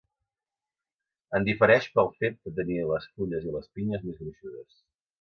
En difereix pel fet de tenir les fulles i les pinyes més gruixudes.